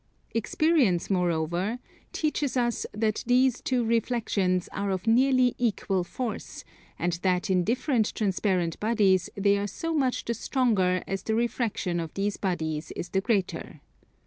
Experience, moreover, teaches us that these two reflexions are of nearly equal force, and that in different transparent bodies they are so much the stronger as the refraction of these bodies is the greater.